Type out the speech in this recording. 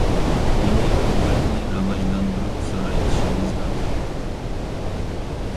يېڭى قۇۋۋەتنى راۋاجلاندۇرۇپ زورايتىشىمىز لازىم.